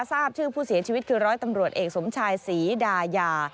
ทราบชื่อผู้เสียชีวิตคือร้อยตำรวจเอกสมชายศรีดายา